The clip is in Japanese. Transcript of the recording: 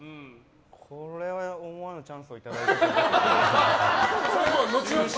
これは思わぬチャンスをいただきました。